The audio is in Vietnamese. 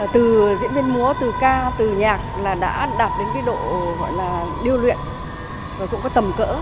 từ diễn viên múa từ ca từ nhạc đã đạt đến độ điêu luyện và cũng có tầm cỡ